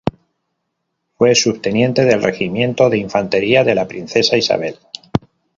Fue subteniente del Regimiento de Infantería de la Princesa Isabel.